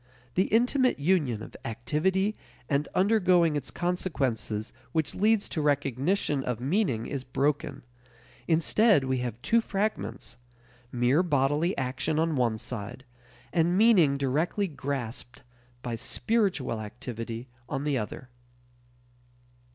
The intimate union of activity and undergoing its consequences which leads to recognition of meaning is broken; instead we have two fragments: mere bodily action on one side, and meaning directly grasped by "spiritual" activity on the other.